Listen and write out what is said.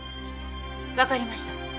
分かりました。